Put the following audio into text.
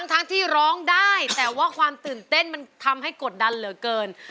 ทั้งที่ร้องได้แต่ว่าความตื่นเต้นมันทำให้กดดันเหลือเกิน